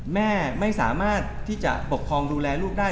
แม่ไม่สามารถที่จะปกครองดูแลลูกได้